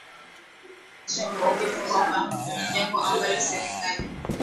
Kisha akaongeza kwamba jambo ambalo serikali